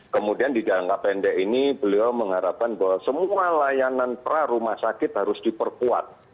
kemudian di jangka pendek ini beliau mengharapkan bahwa semua layanan pra rumah sakit harus diperkuat